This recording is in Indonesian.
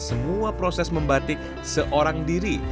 semua proses membatik seorang diri